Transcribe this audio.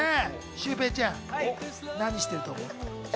シュウペイちゃん、何してると思う？